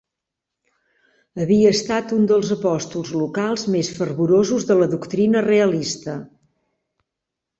Havia estat un dels apòstols locals més fervorosos de la doctrina realista